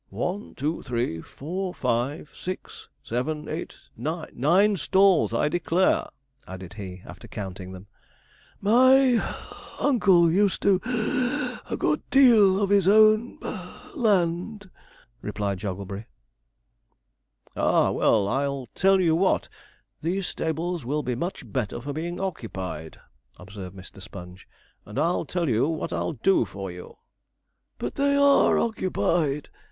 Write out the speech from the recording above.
'One, two, three, four, five, six, seven, eight, nine. Nine stalls, I declare,' added he, after counting them. 'My (puff) uncle used to (wheeze) a good deal of his own (puff) land,' replied Jogglebury. 'Ah, well, I'll tell you what: these stables will be much better for being occupied,' observed Mr. Sponge. 'And I'll tell you what I'll do for you.' 'But they are occupied!'